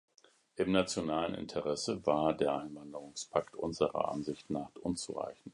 Im nationalen Interesse war der Einwanderungspakt unserer Ansicht nach unzureichend.